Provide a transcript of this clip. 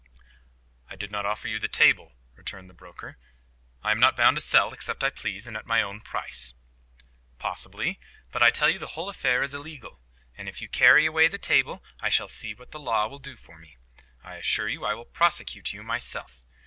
"I did not offer you the table," returned the broker. "I am not bound to sell except I please, and at my own price." "Possibly. But I tell you the whole affair is illegal. And if you carry away that table, I shall see what the law will do for me. I assure you I will prosecute you myself.